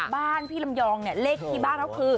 บ้านพี่ลำยองเนี่ยเลขที่บ้านเขาคือ